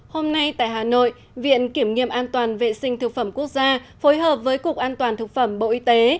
hôm nay tại hà nội viện kiểm nghiệm an toàn vệ sinh thực phẩm quốc gia phối hợp với cục an toàn thực phẩm bộ y tế